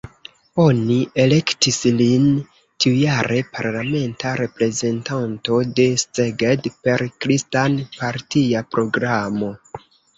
Oni elektis lin tiujare parlamenta reprezentanto de Szeged, per kristan-partia programo.